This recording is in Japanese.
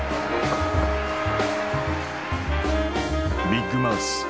「ビッグマウス」。